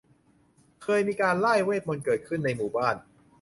เคยมีการร่ายเวทมนตร์เกิดขึ้นในหมู่บ้าน